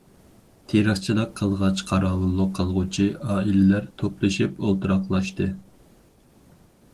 «تېرىقچىلىق قىلغاچ قاراۋۇللۇق قىلغۇچى» ئائىلىلەر توپلىشىپ ئولتۇراقلاشتى.